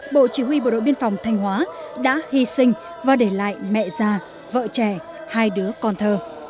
bộ chỉ huy bộ đội biên phòng thanh hóa đã hy sinh và để lại mẹ già vợ trẻ hai đứa con thơ